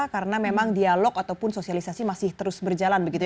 karena memang dialog ataupun sosialisasi masih terus berjalan begitu ya